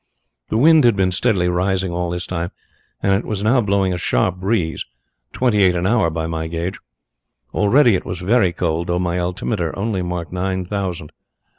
The wind had been steadily rising all this time and it was now blowing a sharp breeze twenty eight an hour by my gauge. Already it was very cold, though my altimeter only marked nine thousand.